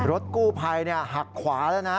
รถกู้ภัยหักขวาแล้วนะ